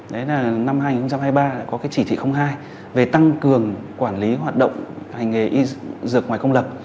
đấy là năm hai nghìn hai mươi ba đã có cái chỉ thị hai về tăng cường quản lý hoạt động hành nghề y dược ngoài công lập